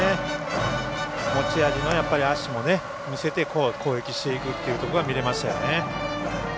持ち味の足も見せて攻撃していくというところが見れましたよね。